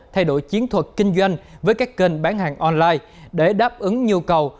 thay đổi chiến thuật kinh doanh với các kênh bán hàng online để đáp ứng nhu cầu